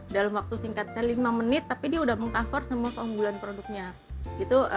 dalam waktu singkatnya lima menit tapi dia udah meng cover semua keunggulan produknya gitu